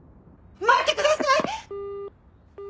待ってください！